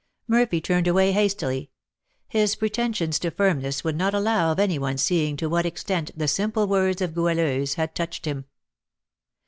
Murphy turned away hastily; his pretensions to firmness would not allow of any one seeing to what extent the simple words of Goualeuse had touched him.